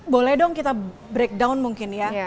boleh dong kita breakdown mungkin ya